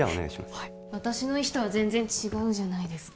はい私の意志とは全然違うじゃないですか